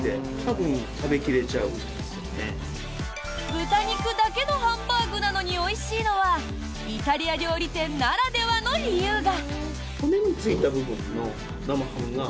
豚肉だけのハンバーグなのにおいしいのはイタリア料理店ならではの理由が。